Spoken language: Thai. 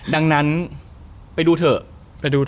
ดังนั้นไปดูเถอะ